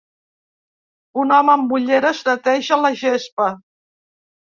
Un home amb ulleres neteja la gespa.